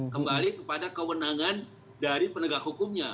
kembali kepada kewenangan dari penegak hukumnya